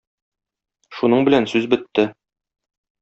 Шуның белән сүз бетте.